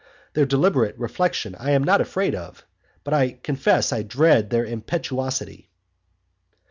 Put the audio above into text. Their deliberate reflection I am not afraid of, but I confess I dread their impetuosity.